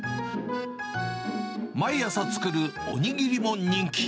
毎朝作るお握りも人気。